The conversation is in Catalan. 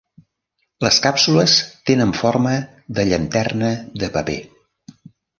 Les càpsules tenen forma de llanterna de paper.